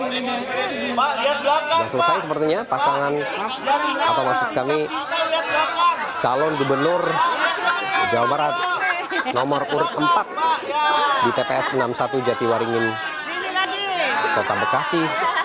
sudah selesai sepertinya pasangan atau maksud kami calon gubernur jawa barat nomor urut empat di tps enam puluh satu jatiwaringin kota bekasi